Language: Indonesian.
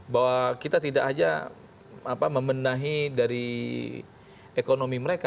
bahwa kita tidak saja membenahi dari ekonomi mereka